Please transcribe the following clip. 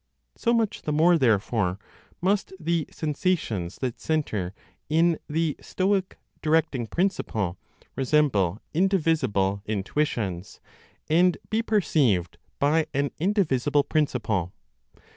So much the more, therefore, must the sensations that centre in the (Stoic) "directing principle" resemble indivisible intuitions and be perceived by an indivisible principle.